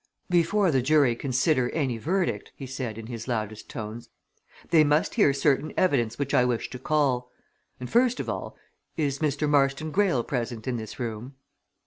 "Before the jury consider any verdict," he said in his loudest tones, "they must hear certain evidence which I wish to call. And first of all is Mr. Marston Greyle present in this room?"